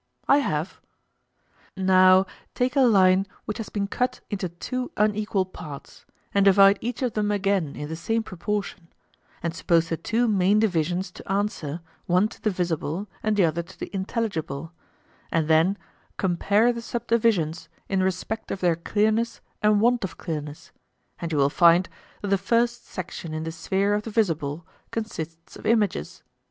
I have. Now take a line which has been cut into two unequal parts, and divide each of them again in the same proportion, and suppose the two main divisions to answer, one to the visible and the other to the intelligible, and then compare the subdivisions in respect of their clearness and want of clearness, and you will find that the first section in the sphere of the visible consists of images.